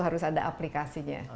harus ada aplikasinya